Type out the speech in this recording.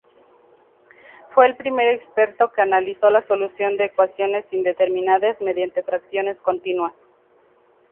Fue el primer experto que analizó la solución de ecuaciones indeterminadas mediante fracciones continuas.